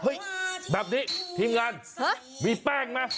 แบบนี้ทีมงานมีแป้งไหม